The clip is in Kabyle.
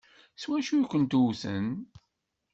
S wacu i kent-wwten?